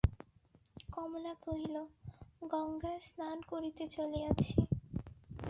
কমলা কহিল, গঙ্গায় স্নান করিতে চলিয়াছি।